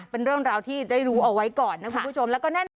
เป็นเรื่องราวที่ได้รู้เอาไว้ก่อนนะคุณผู้ชม